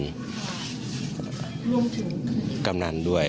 ร่วมถึงกับนั้นด้วย